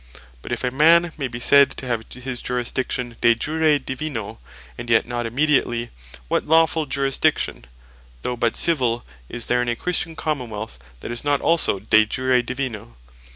But if a man may be said to have his Jurisdiction De Jure Divino, and yet not immediately; what lawfull Jurisdiction, though but Civill, is there in a Christian Common wealth, that is not also De Jure Divino?